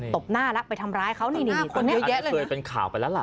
ตบหน้าละไปทำร้ายเขาหน้าคนเยอะแยะเลยนะอันนี้เคยเป็นข่าวไปแล้วล่ะ